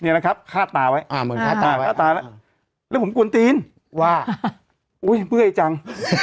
เนี้ยนะครับคาดตาไว้คาดตาแล้วแล้วผมกลุ่นตีนว่าอุ้ยเมื่อยจัง